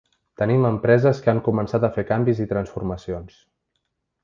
Tenim empreses que han començat a fer canvis i transformacions.